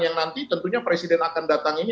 yang nanti tentunya presiden akan datang ini